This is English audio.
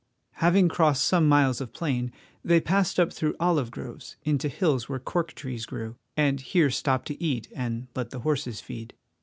Having crossed some miles of plain, they passed up through olive groves into hills where cork trees grew, and here stopped to eat and let the horses feed.